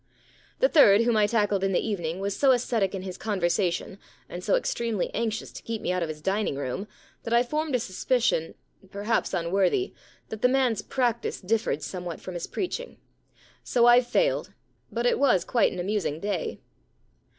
The third, whom I tackled in the evening, was so ascetic in his conversation and so extremely anxious to keep me out of his dining room, that I formed a suspicion, perhaps unworthy, that the man's practice differed somewhat from his preaching. So Fve failed, but it was quite an amusing day.'